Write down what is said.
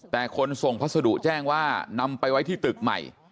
แต่คนส่งพัสดุแจ้งว่านำไปไว้ที่ตึกใหม่